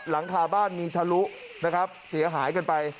หลังคาบ้านมีทะลุนะครับเสียหายกันไป